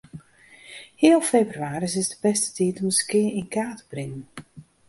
Heal febrewaris is de bêste tiid om de skea yn kaart te bringen.